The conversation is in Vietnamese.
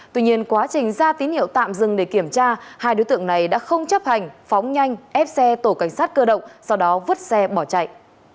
tuy nhiên quá trình ra tín hiệu tạm dừng để kiểm tra hai đối tượng này đã không chấp hành phóng nhanh ép xe tổ cảnh sát cơ động sau đó vứt xe bỏ chạy